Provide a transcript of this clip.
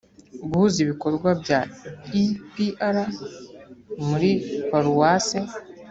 guhuza ibikorwa bya epr muri paruwase